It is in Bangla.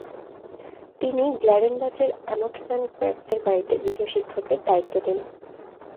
তিনি গ্ল্যাডেনবাচের আমটম্যান ক্রেবসের বাড়িতে গৃহশিক্ষকের দায়িত্ব নেন।